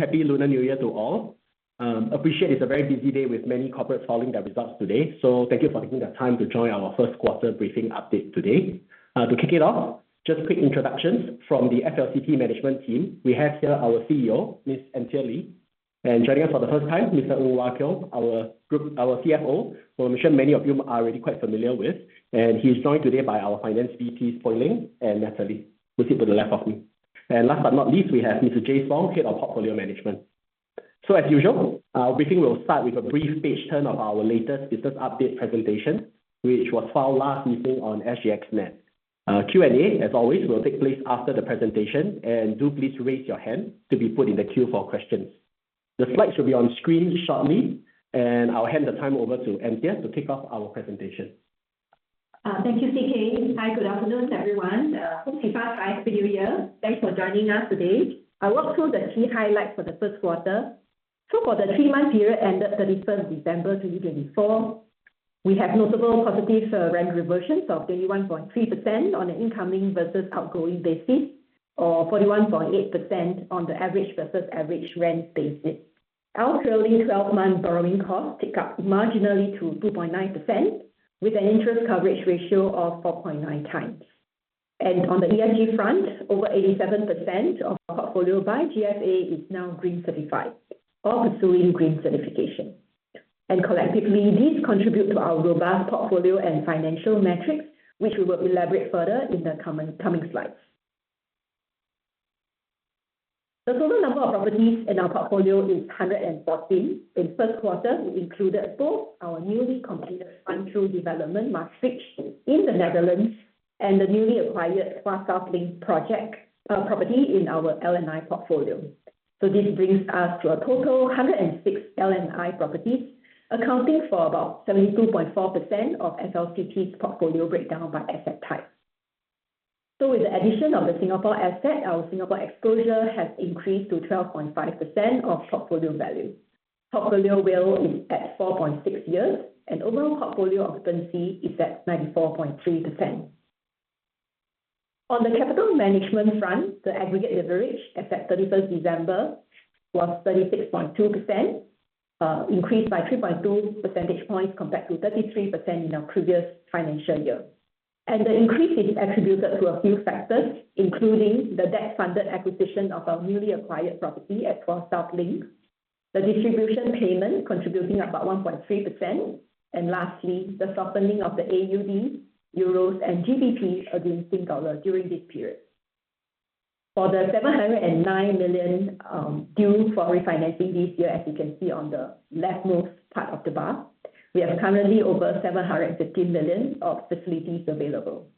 Happy Lunar New Year to all. Appreciate it's a very busy day with many corporates following their results today. Thank you for taking the time to join our first quarter briefing update today. To kick it off, just quick introductions from the FLCT management team. We have here our CEO, Ms. Anthea Lee. Joining us for the first time, Mr. Ng Wah Keong, our CFO, who I'm sure many of you are already quite familiar with. He is joined today by our finance VPs, Pui Ling and Natalie, who sit to the left of me. Last but not least, we have Mr. James Spong, Head of Portfolio Management. As usual, our briefing will start with a brief page turn of our latest business update presentation, which was filed last evening on SGXNet. Q&A, as always, will take place after the presentation. Do please raise your hand to be put in the queue for questions. The slides will be on screen shortly. I'll hand the time over to Anthea to kick off our presentation. Thank you, CK. Hi, good afternoon, everyone. Happy New Year. Thanks for joining us today. I'll walk through the key highlights for the first quarter. For the three-month period ended 31st December 2024, we have notable positive rent reversions of 31.3% on an incoming versus outgoing basis, or 41.8% on the average versus average rent basis. Our trailing 12-month borrowing costs tick up marginally to 2.9%, with an interest coverage ratio of 4.9 times. On the ESG front, over 87% of our portfolio by GFA is now green certified or pursuing green certification. Collectively, these contribute to our robust portfolio and financial metrics, which we will elaborate further in the coming slides. The total number of properties in our portfolio is 114. In the first quarter, we included both our newly completed fund-through development, Maastricht, in the Netherlands, and the newly acquired 12 South Link project property in our L&I portfolio. This brings us to a total 106 L&I properties, accounting for about 72.4% of FLCT's portfolio breakdown by asset type. With the addition of the Singapore asset, our Singapore exposure has increased to 12.5% of portfolio value. Portfolio WALE is at 4.6 years. Overall portfolio occupancy is at 94.3%. On the capital management front, the aggregate leverage as at 31st December was 36.2%, increased by 3.2 percentage points compared to 33% in our previous financial year. The increase is attributed to a few factors, including the debt-funded acquisition of our newly acquired property at 12 Tuas South Link 1, the distribution payment contributing about 1.3%, and lastly, the softening of the AUD, EUR, and GBP against SGD during this period. For the 709 million due for refinancing this year, as you can see on the leftmost part of the bar, we have currently over 715 million of facilities available.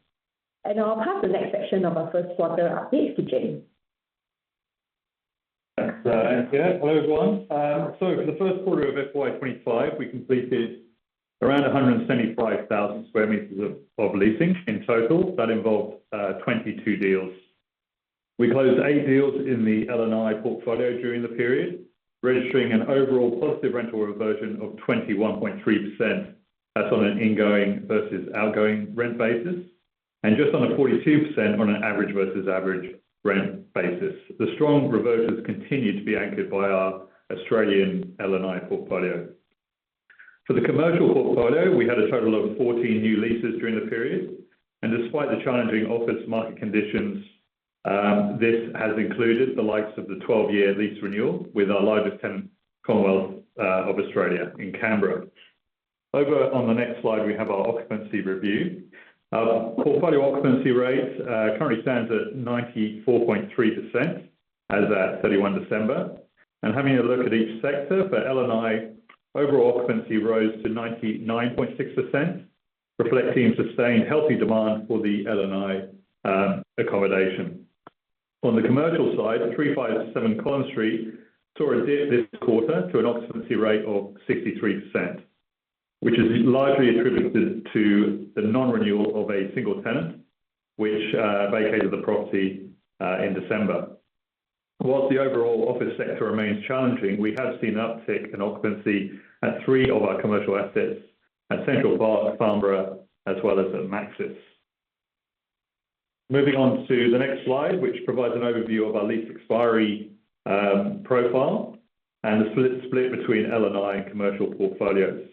I'll pass the next section of our first quarter update to James. Thanks, Anthea. Hello, everyone. For the first quarter of FY 2025, we completed around 175,000 sq m of leasing in total. That involved 22 deals. We closed eight deals in the L&I portfolio during the period, registering an overall positive rental reversion of 21.3%. That is on an ingoing versus outgoing rent basis, and just under 42% on an average versus average rent basis. The strong reversers continue to be anchored by our Australian L&I portfolio. For the commercial portfolio, we had a total of 14 new leases during the period, and despite the challenging office market conditions, this has included the likes of the 12-year lease renewal with our largest tenant, Commonwealth of Australia in Canberra. Over on the next slide, we have our occupancy review. Our portfolio occupancy rate currently stands at 94.3% as at 31 December. Having a look at each sector, for L&I, overall occupancy rose to 99.6%, reflecting sustained healthy demand for the L&I accommodation. On the commercial side, 357 Collins Street saw a dip this quarter to an occupancy rate of 63%, which is largely attributed to the non-renewal of a single tenant, which vacated the property in December. While the overall office sector remains challenging, we have seen an uptick in occupancy at three of our commercial assets at Central Park, Canberra, as well as at Maxis. Moving on to the next slide, which provides an overview of our lease expiry profile and the split between L&I and commercial portfolios.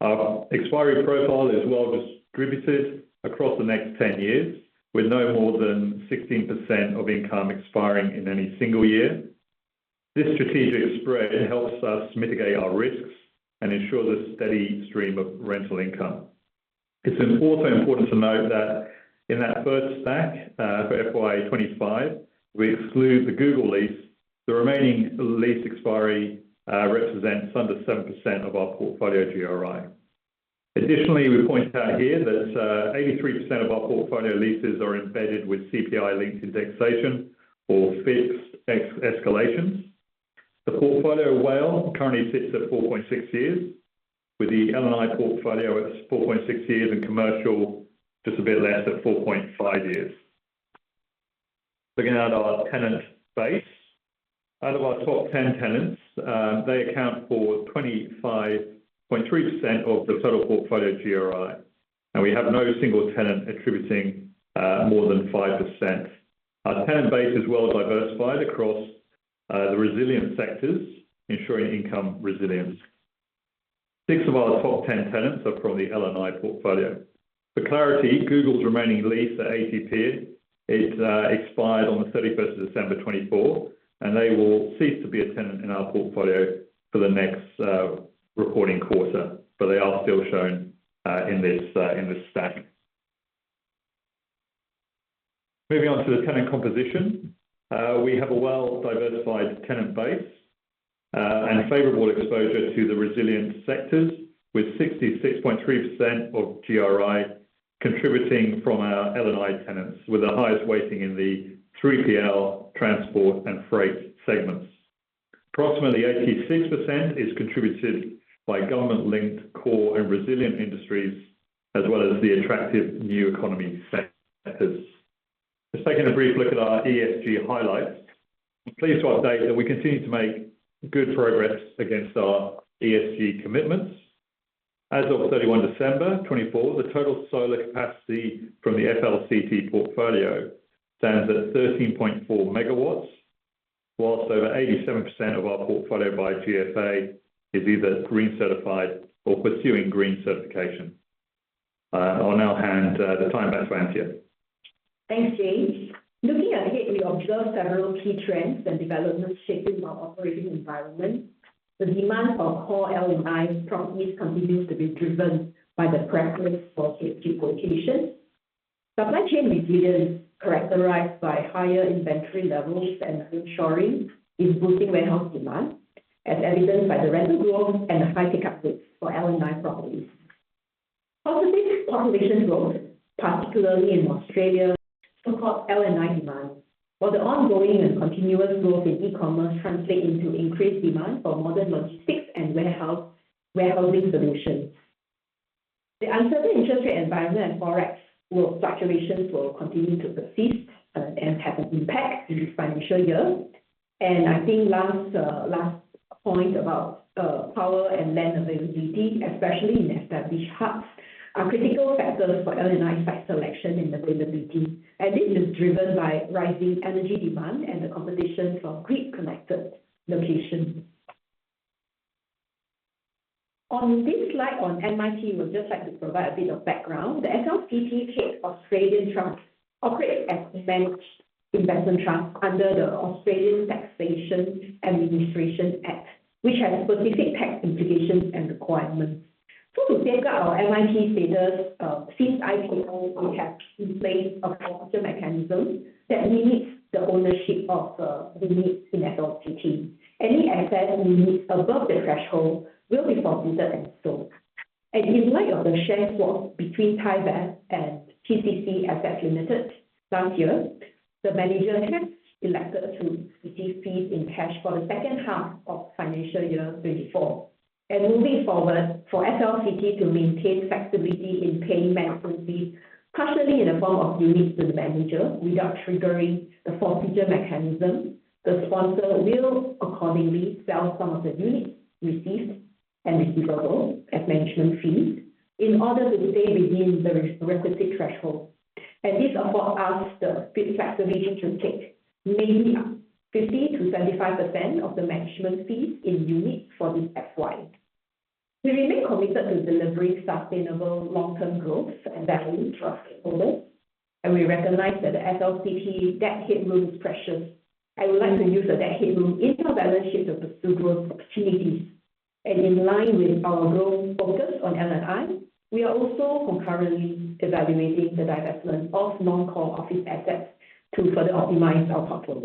Our expiry profile is well distributed across the next 10 years, with no more than 16% of income expiring in any single year. This strategic spread helps us mitigate our risks and ensures a steady stream of rental income. It is also important to note that in that first stack, for FY 2025, we exclude the Google lease. The remaining lease expiry represents under 7% of our portfolio GRI. We point out here that 83% of our portfolio leases are embedded with CPI lease indexation or fixed escalations. The portfolio WALE currently sits at 4.6 years, with the L&I portfolio at 4.6 years, and commercial just a bit less at 4.5 years. Looking at our tenant base, out of our top 10 tenants, they account for 25.3% of the total portfolio GRI. And we have no single tenant attributing more than 5%. Our tenant base is well diversified across the resilient sectors, ensuring income resilience. Six of our top 10 tenants are from the L&I portfolio. For clarity, Google's remaining lease at Australian Technology Park, it expired on the 31st of December 2024, and they will cease to be a tenant in our portfolio for the next recording quarter, but they are still shown in this stack. Moving on to the tenant composition. We have a well-diversified tenant base, a favorable exposure to the resilient sectors, with 66.3% of GRI contributing from our L&I tenants, with the highest weighting in the 3PL, transport, and freight segments. Approximately 86% is contributed by government-linked core and resilient industries, as well as the attractive new economy sectors. Just taking a brief look at our ESG highlights. I am pleased to update that we continue to make good progress against our ESG commitments. As of 31 December 2024, the total solar capacity from the FLCT portfolio stands at 13.4 MW, whilst over 87% of our portfolio by GFA is either green certified or pursuing green certification. I will now hand the time back to Anthea. Thanks, James. Looking ahead, we observe several key trends and developments shaping our operating environment. The demand for core L&I properties continues to be driven by the preference for ESG accreditation. Supply chain resilience, characterized by higher inventory levels and reshoring, is boosting warehouse demand, as evidenced by the rental growth and the high pick-up rates for L&I properties. Positive population growth, particularly in Australia, support L&I demand, while the ongoing and continuous growth in e-commerce translate into increased demand for modern logistics and warehousing solutions. The uncertain interest rate environment and Forex fluctuations will continue to persist, and have an impact this financial year. I think last point about power and land availability, especially in established hubs, are critical factors for L&I site selection and availability. This is driven by rising energy demand and the competition for grid-connected locations. On this slide on MIT, we would just like to provide a bit of background. The FLCT's Australian Trust operates as a managed investment trust under the Taxation Administration Act 1953, which has specific tax implications and requirements. To safeguard our MIT status, since IPO we have in place a forfeiture mechanism that limits the ownership of the units in FLCT. Any excess units above the threshold will be forfeited and sold. In light of the share swap between Thai Beverage and TCC Assets Limited done here, the manager has elected to receive fees in cash for the second half of financial year 2024. Moving forward, for FLCT to maintain flexibility in paying management fees, partially in the form of units to the manager without triggering the forfeiture mechanism, the sponsor will accordingly sell some of the units received and receivable as management fees in order to stay within the requisite threshold. This affords us the flexibility to take mainly 50%-75% of the management fees in units for this FY. We remain committed to delivering sustainable long-term growth and value for our stakeholders, and we recognize that the FLCT debt headroom is precious, and would like to use the debt headroom in conjunction with the two growth opportunities. In line with our growth focus on L&I, we are also concurrently evaluating the divestment of non-core office assets to further optimize our portfolio